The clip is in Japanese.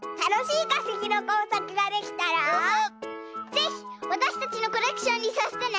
ぜひわたしたちのコレクションにさせてね。